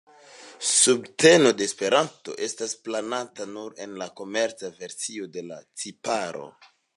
Subteno de Esperanto estas planata nur en la komerca versio de la tiparo.